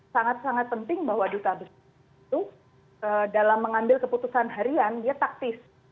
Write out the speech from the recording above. sangat sangat penting bahwa duta besar itu dalam mengambil keputusan harian dia taktis